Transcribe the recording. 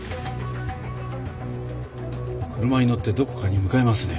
車に乗ってどこかに向かいますね。